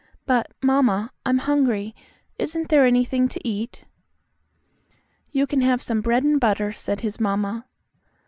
"But, mamma, I'm hungry. Isn't there anything to eat?" "You can have some bread and butter," said his mamma.